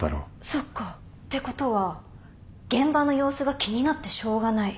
そっか。ってことは現場の様子が気になってしょうがない。